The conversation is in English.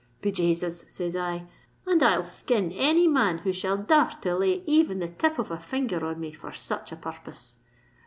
_'—'Be Jasus!' says I, '_and I'll skin any man who shall dar r to lay even the tip of a finger on me for such a purpose.